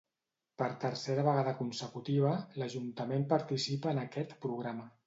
Per tercera vegada consecutiva, l'Ajuntament participa en aquest programa.